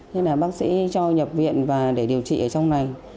nên là bác sĩ cho nhập viện và để điều trị ở trong này